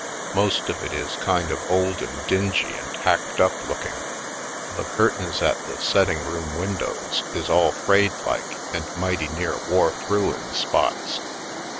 Most of it is kind of old and dingy and hacked up looking. The curtains at the setting room windows is all frayed like and mighty near wore through in spots.